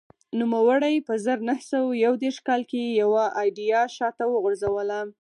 نوموړي په زر نه سوه یو دېرش کال کې یوه ایډیا شا ته وغورځوله